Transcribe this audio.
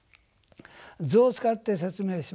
図を使って説明します。